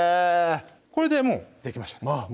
これでもうできましたあっ